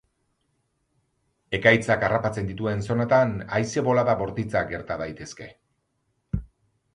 Ekaitzak harrapatzen dituen zonatan haize-bolada bortitzak gerta daitezke.